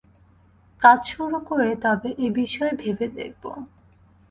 কাজ শুরু করে তবে এ-বিষয়ে ভেবে দেখব।